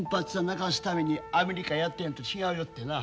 鳴かすためにアメリカへやってるのと違うよってな。